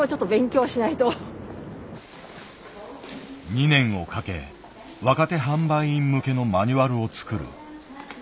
２年をかけ若手販売員向けのマニュアルを作る。